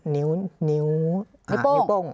นิ้วโป้ง